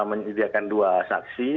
menyediakan dua saksi